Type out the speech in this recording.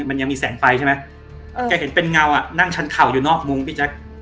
มันยังมีแสงไฟใช่ไหมแกเห็นเป็นเงาอ่ะนั่งชั้นเข่าอยู่นอกมุ้งพี่แจ๊ค